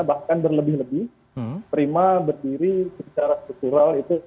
bahkan berlebih lebih prima berdiri secara struktural itu